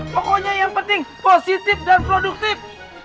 pokoknya yang penting positif dan produktif